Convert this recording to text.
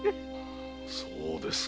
そうですか。